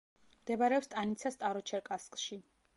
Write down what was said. მდებარეობს სტანიცა სტაროჩერკასკში.